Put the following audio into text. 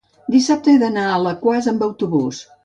Dissabte he d'anar a Alaquàs amb autobús.